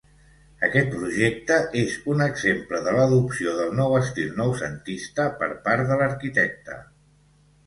Aquest projecte és un exemple de l'adopció del nou estil noucentista per part de l'arquitecte.